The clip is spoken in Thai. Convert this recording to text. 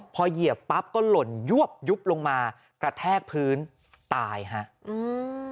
พอเหยียบปั๊บก็หล่นยวบยุบลงมากระแทกพื้นตายฮะอืม